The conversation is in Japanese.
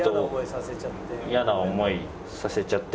「嫌な思いさせちゃって」。